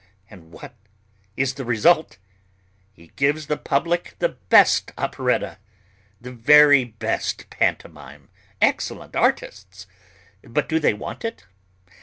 And what's the result? He gives the public the best operetta, the very best pantomime, excellent artists. But do they want it?